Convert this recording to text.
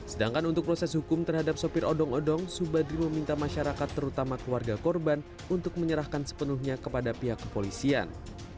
sedangkan untuk proses hukum terhadap sopir odong odong subadri meminta masyarakat terutama keluarga korban untuk menyerahkan sepenuhnya kepada pihak kepolisian